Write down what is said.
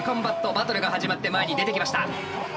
バトルが始まって前に出てきました。